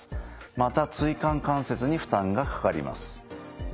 また椎間関節に負担がかかります。